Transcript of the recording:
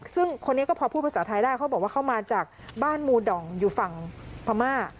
ซึ่งคนนี้ก็พอพูดภาษาไทยได้เขาบอกว่าเขามาจากบ้านมูดองอยู่ฝั่งพม่า